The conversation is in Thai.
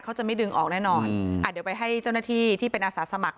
เขาจะไม่ดึงออกแน่นอนอ่ะเดี๋ยวไปให้เจ้าหน้าที่ที่เป็นอาสาสมัคร